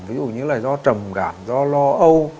ví dụ như là do trầm do lo âu